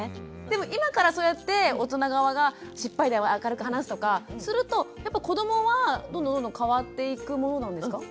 でも今からそうやって大人側が失敗談を明るく話すとかするとやっぱ子どもはどんどんどんどん変わっていくものなんですか？